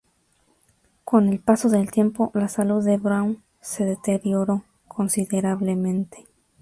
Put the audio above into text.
Con el paso del tiempo, la salud de Brown se deterioró considerablemente.